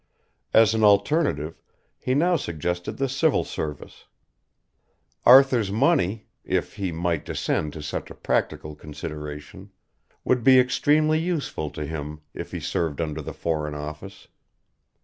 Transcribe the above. As an alternative he now suggested the Civil Service. Arthur's money if he might descend to such a practical consideration would be extremely useful to him if he served under the Foreign Office.